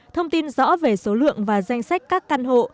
thông tin rõ về số lượng và danh sách các căn hộ